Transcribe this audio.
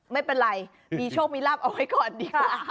ไม่เป็นไรมีโชคมีลาบเอาไว้ก่อนเนี่ย